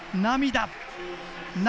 涙！